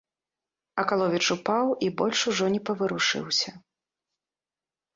Акаловіч упаў і больш ужо не паварушыўся.